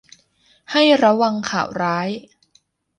ให้ระวังข่าวร้าย